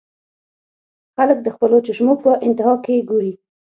خلک د خپلو چشمو پۀ انتها کښې ګوري -